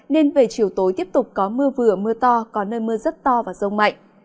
nên về chiều tối tiếp tục có mưa vừa mưa to có nơi mưa rất to và rông mạnh